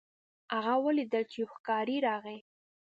هغه ولیدل چې یو ښکاري راغی.